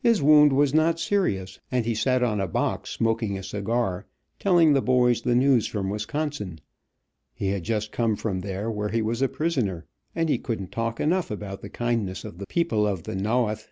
His wound was not serious, and he sat on a box, smoking a cigar, telling the boys the news from Wisconsin. He had just come from there, where he was a prisoner, and he couldn't talk enough about the kindness of the "people of the nowth."